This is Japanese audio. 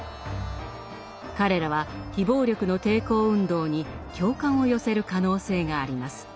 彼らは非暴力の抵抗運動に共感を寄せる可能性があります。